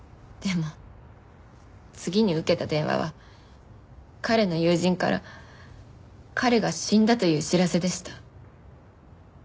でも次に受けた電話は彼の友人から彼が死んだという知らせでした。